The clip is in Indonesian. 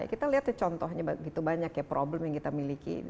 kita lihat contohnya begitu banyak ya problem yang kita miliki